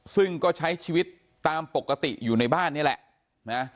ซึ่งก็ใช้ชีวิตตามปกติอยู่ในบ้านนี่แหละนะ